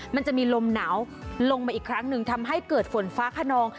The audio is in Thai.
มันจะมีลมหนาวลงมาอีกครั้งหนึ่งทำให้เกิดฝนฟ้าขนอง